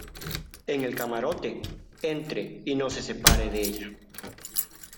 en el camarote. entre y no se separe de ella .